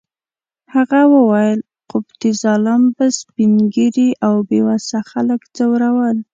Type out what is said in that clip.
هغه وویل: قبطي ظالم به سپین ږیري او بې وسه خلک ځورول.